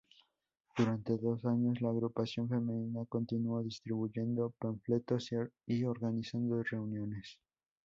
Durante dos años la agrupación femenina continuó distribuyendo panfletos y organizando reuniones.